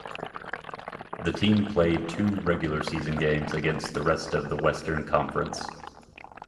The team played two regular season games against the rest of the Western Conference.